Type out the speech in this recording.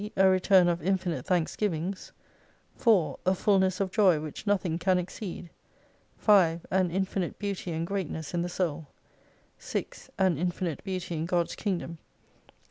A return of infinite thanksgivings. 4. A fulness of joy which no thing can exceed. 5. An infinite beauty and greatness in the soul. 6. An infinite beauty in God's Kingdom.